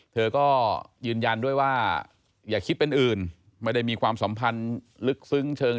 เธอก็ยืนยันด้วยว่าอย่าคิดเป็นอื่น